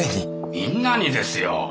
みんなにですよ。